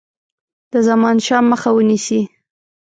د زمانشاه مخه ونیسي.